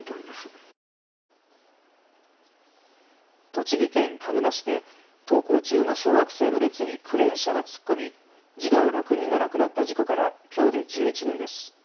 栃木県鹿沼市で登校中の小学生の列にクレーン車が突っ込み児童６人が亡くなった事故からきょうで１１年です。